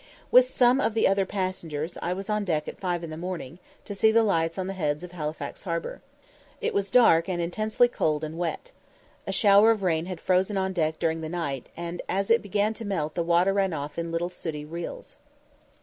With some of the other passengers, I was on deck at five in the morning, to see the lights on the heads of Halifax harbour. It was dark and intensely cold and wet. A shower of rain had frozen on deck during the night, and as it began to melt the water ran off in little sooty rills.